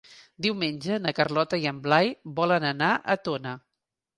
Diumenge na Carlota i en Blai volen anar a Tona.